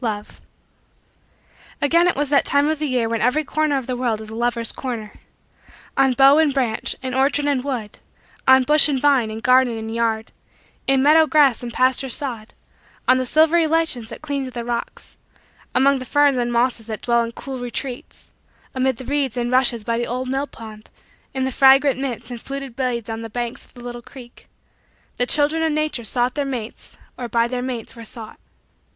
LOVE Again it was that time of the year when every corner of the world is a lovers' corner. On bough and branch, in orchard and wood; on bush and vine, in garden and yard; in meadow grass and pasture sod; on the silvery lichens that cling to the rocks; among the ferns and mosses that dwell in cool retreats; amid the reeds and rushes by the old mill pond; in the fragrant mints and fluted blades on the banks of the little creek; the children of Nature sought their mates or by their mates were sought.